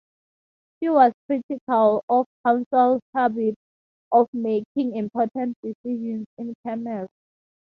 She was critical of council's habit of making important decisions "in camera".